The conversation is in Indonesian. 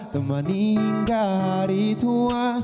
temani hingga hari tua